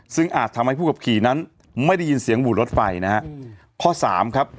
ซึ่งอาจทำให้ผู้ขับขี่นั้นไม่ได้ยินเสียงบูดรถไฟนะฮะข้อสามครับ